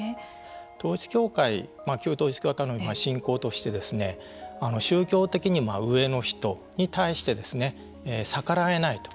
旧統一教会の信仰として宗教的に上の人に対して逆らえないと。